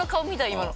今の。